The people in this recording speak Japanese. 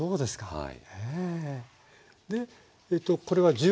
はい。